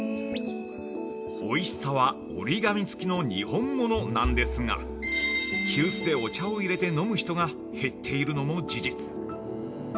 ◆おいしさは折り紙付きの「にほんもの」なんですが急須でお茶を入れて飲む人が減っているのも事実。